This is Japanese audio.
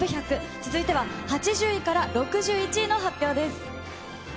続いては８０位から６１位の発表です。